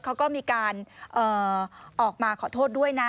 เขาก็มีการออกมาขอโทษด้วยนะ